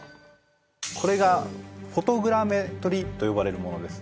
これがフォトグラメトリと呼ばれるものです